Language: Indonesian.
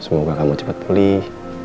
semoga kamu cepat pulih